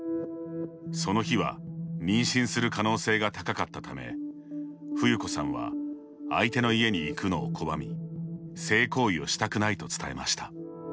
その日は、妊娠する可能性が高かったため、ふゆこさんは相手の家に行くのを拒み性行為をしたくないと伝えました。